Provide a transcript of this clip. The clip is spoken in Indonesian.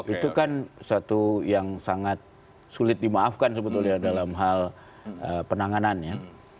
itu kan satu yang sangat sulit dimaafkan sebetulnya dalam hal penanganannya